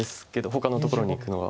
ほかのところにいくのは。